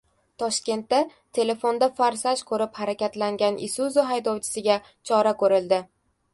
Toshkentda telefonda “Forsaj” ko‘rib harakatlangan Isuzu haydovchisiga chora ko‘rildi